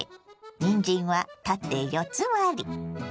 にんじんは縦四つ割り。